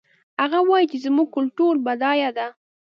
هغه وایي چې زموږ کلتور بډایه ده